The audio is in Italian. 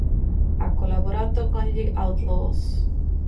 Ha collaborato con gli Outlaws.